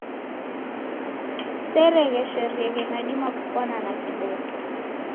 Seregheshereghe nadima kupwana na kiboko.